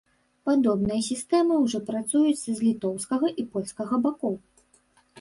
Падобныя сістэмы ўжо працуюць з літоўскага і польскага бакоў.